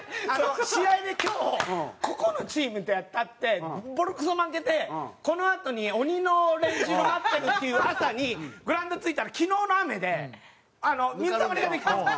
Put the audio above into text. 試合で今日ここのチームとやったってボロクソ負けてこのあとに鬼の練習が待ってるっていう朝にグラウンド着いたら昨日の雨で水たまりができてたんですよ。